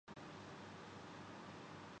، اس کا اندازہ سارے پاکستان کو ہے۔